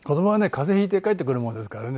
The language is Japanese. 風邪引いて帰ってくるもんですからね。